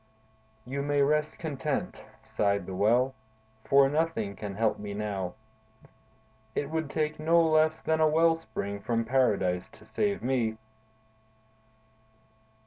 "You may rest content," sighed the Well, "for nothing can help me now. It would take no less than a well spring from Paradise to save me!"